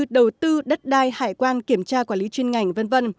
đầu tư đất đai hải quan kiểm tra quản lý chuyên ngành v v